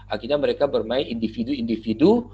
akhirnya mereka bermain individu individu